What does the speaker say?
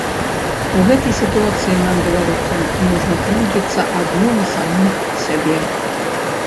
У гэтай сітуацыі нам, беларусам, можна крыўдзіцца адно на саміх сябе!